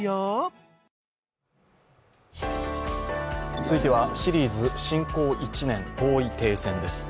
続いては、シリーズ「侵攻１年遠い停戦」です。